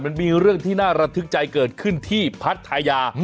มันมีเรื่องที่น่าระทึกใจเกิดขึ้นที่พัทยา